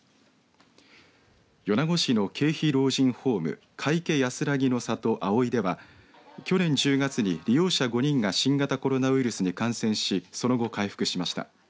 米子市の軽費老人ホーム皆生やすらぎの里あおいでは去年１０月に利用者５人が新型コロナウイルスに感染しその後、回復しました。